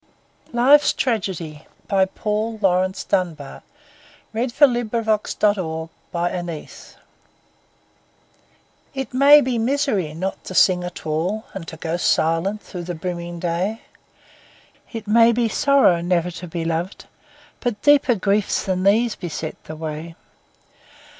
bar — Life's TragedyPaul Laurence Dunbar LIFE'S TRAGEDY It may be misery not to sing at all And to go silent through the brimming day. It may be sorrow never to be loved, But deeper griefs than these beset the way.